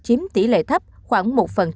chiếm tỷ lệ thấp khoảng một